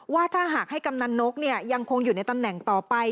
ว่าถ้าหากให้กำนันนกยังคงอยู่ในตำแหน่งต่อไป